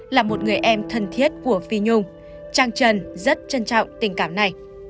là một người em thân thiết của phi nhung trang trần rất trân trọng tình cảm này